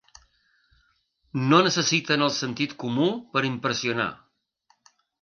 No necessiten del sentit comú per impressionar.